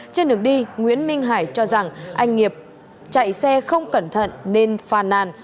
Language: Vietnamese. trên đường đi nguyễn minh hải cho rằng anh nghiệp chạy xe không cẩn thận nên phàn nàn